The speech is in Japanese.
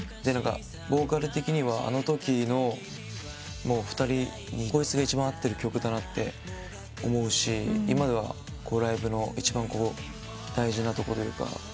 ボーカル的にはあのときの２人にこいつが一番合ってる曲だなと思うし今ではライブの一番大事なところというか。